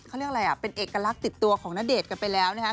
เขาเรียกอะไรอ่ะเป็นเอกลักษณ์ติดตัวของณเดชน์กันไปแล้วนะครับ